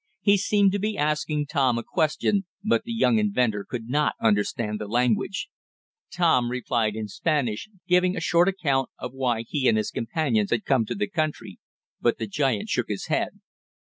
He seemed to be asking Tom a question, but the young inventor could not understand the language. Tom replied in Spanish, giving a short account of why he and his companions had come to the country, but the giant shook his head.